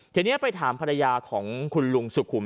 ทีนี้ไปถามภรรยาของคุณลุงสุขุม